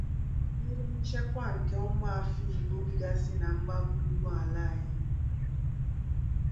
tinyere nchekwa nke ụmụafọ Igbo bigasị na mgbago ugwu ala anyị